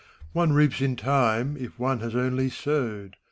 One reaps in time, if one has only sowed.